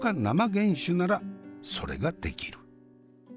生原酒ならそれができる。